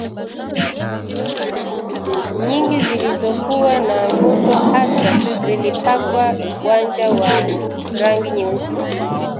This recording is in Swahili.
nyingi zilizokuwa na mvuto hasa zikipakwa wanja wa rangi nyeusi